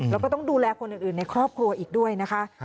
แล้วก็ต้องดูแลคนอื่นในครอบครัวอีกด้วยนะคะ